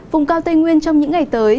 vùng cao tây nguyên trong những ngày tới